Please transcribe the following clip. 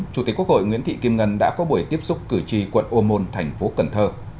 chủ tịch quốc hội nguyễn thị kim ngân đã có buổi tiếp xúc cử tri quận ô môn thành phố cần thơ